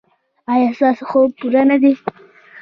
ایا ستاسو خوب پوره نه دی؟